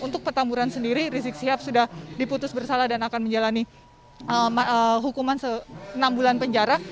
untuk petamburan sendiri rizik sihab sudah diputus bersalah dan akan menjalani hukuman enam bulan penjara